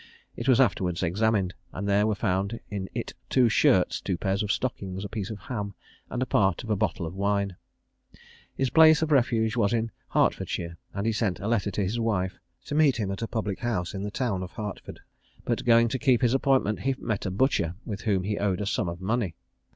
It was afterwards examined, and there were found in it two shirts, two pairs of stockings, a piece of ham, and part of a bottle of wine. His place of refuge was in Hertfordshire; and he sent a letter to his wife to meet him at a public house in the town of Hertford, but going to keep his appointment he met a butcher, to whom he owed a sum of money.